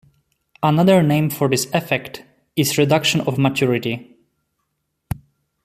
Another name for this effect is reduction of maturity.